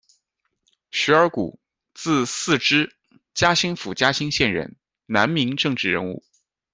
徐尔谷，字似之，嘉兴府嘉兴县人，南明政治人物。